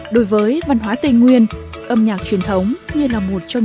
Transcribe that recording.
đối với văn hóa tây nguyên âm nhạc truyền thống như làn điệu dân ca này